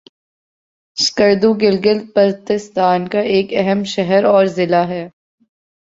سکردو گلگت بلتستان کا ایک اہم شہر اور ضلع ہے